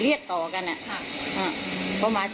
แล้วก็ช่วยกันนำนายธีรวรรษส่งโรงพยาบาล